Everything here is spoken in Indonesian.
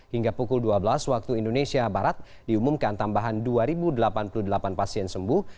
hingga pukul dua belas waktu indonesia barat diumumkan tambahan dua delapan puluh delapan pasien sembuh